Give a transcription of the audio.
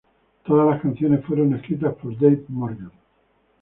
Todas estas canciones fueron escritas por Dave Morgan.